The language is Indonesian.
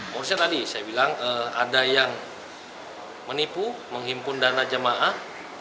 maksudnya tadi saya bilang ada yang menipu menghimpun dana jemaah